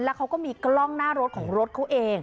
เขาก็มีกล้องหน้ารถของรถเขาเอง